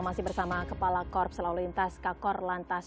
masih bersama kepala korps lalu lintas kakor lantas